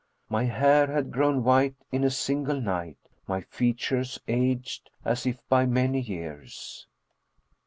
My hair had grown white in a single night, my features aged as if by many years.